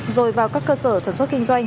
rồi vào các cơ sở sản xuất kinh doanh